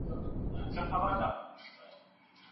ستونزي د پرمختګ زینه ده.